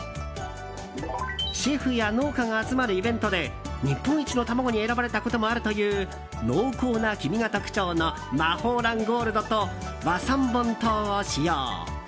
シェフや農家が集まるイベントで日本一の卵に選ばれたこともあるという濃厚な黄身が特徴の磨宝卵ゴールドと和三盆糖を使用。